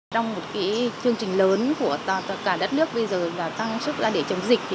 trong một chương trình lớn của tất cả đất nước bây giờ tăng sức ra để chống dịch